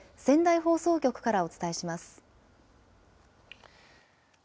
仙台からお伝えします。